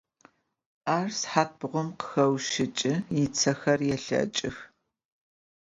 Ar sıhat bğum kheuşı ıç'i ıtsexer yêlheç'ıx.